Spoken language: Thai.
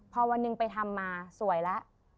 พอวันหนึ่งไปทำมาสวยแล้ว